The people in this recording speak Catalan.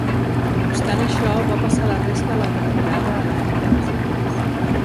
No obstant això, va passar la resta de la temporada a l'equip de reserves.